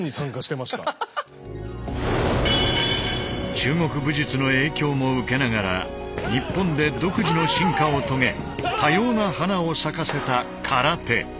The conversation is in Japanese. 中国武術の影響も受けながら日本で独自の進化を遂げ多様な花を咲かせた空手。